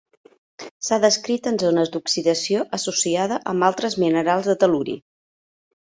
S'ha descrit en zones d'oxidació associada amb altres minerals de tel·luri.